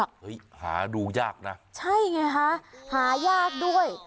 เฮ้ยหาดูยากนะใช่ไงฮะหายากด้วย